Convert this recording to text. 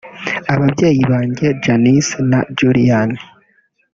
ababyeyi banjye Janice na Julian